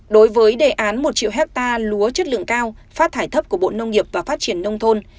đối với đề án một triệu hectare lúa chất lượng cao phát thải thấp của bộ nông nghiệp và phát triển nông thôn